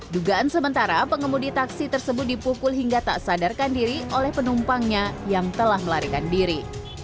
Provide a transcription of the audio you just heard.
dugaan sementara pengemudi taksi tersebut dipukul hingga tak sadarkan diri oleh penumpangnya yang telah melarikan diri